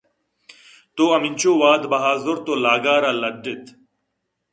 دو ہمنچو واد بہا زُرت ءُ لاگ ءَ را لڈّ اِت